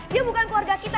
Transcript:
dia bukan keluarga kita